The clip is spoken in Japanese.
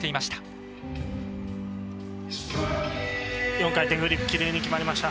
４回転フリップきれいに決まりました。